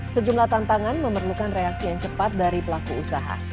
sejumlah tantangan memerlukan reaksi yang cepat dari pelaku usaha